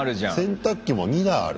洗濯機も２台ある。